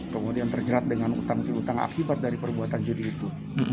kemudian terjerat dengan utang piutang akibat dari perbuatan judi itu